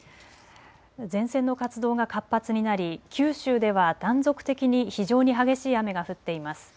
前線の活動が活発になり九州では断続的に非常に激しい雨が降っています。